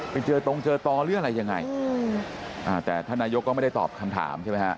ไปเจอตรงเจอต่อหรืออะไรยังไงอืมอ่าแต่ท่านนายกก็ไม่ได้ตอบคำถามใช่ไหมฮะ